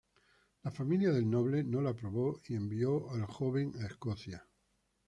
La familia del noble no la aprobó y envió al joven a Escocia.